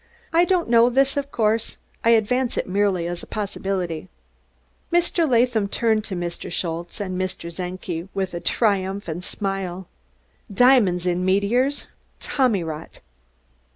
I don't know this, of course; I advance it merely as a possibility." Mr. Latham turned to Mr. Schultze and Mr. Czenki with a triumphant smile. Diamonds in meteors! Tommyrot!